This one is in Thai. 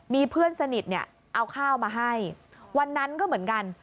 มีเพื่อนสนิทเนี่ยเอาข้าวมาให้วันนั้นก็เหมือนกัน